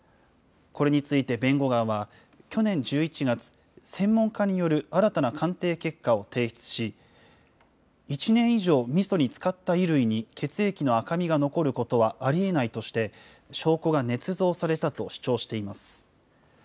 これについて弁護側は去年１１月、専門家による新たな鑑定結果を提出し、１年以上、みそに漬かった衣類に、血液の赤みが残ることはありえないとして、証拠がねつ造されたと主張しています。